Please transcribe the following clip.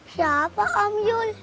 siapa om yul